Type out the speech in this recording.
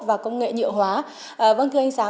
và công nghệ nhựa hóa vâng thưa anh sáng